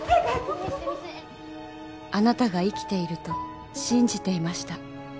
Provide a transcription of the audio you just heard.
「あなたが生きていると信じていました」